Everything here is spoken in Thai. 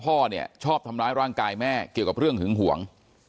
พ่อเนี่ยชอบทำร้ายร่างกายแม่เกี่ยวกับเรื่องหึงหวง